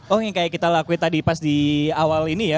oh yang kayak kita lakuin tadi pas di awal ini ya